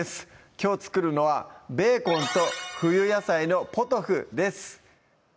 きょう作るのは「ベーコンと冬野菜のポトフ」です